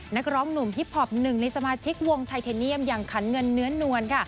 นักร้องหนุ่มฮิปพอปหนึ่งในสมาชิกวงไทเทเนียมอย่างขันเงินเนื้อนวลค่ะ